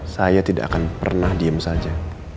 saya tidak akan pernah diem saja